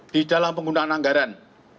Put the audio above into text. di dalam penggunaan anggaran